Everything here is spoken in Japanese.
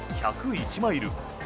１０１マイル。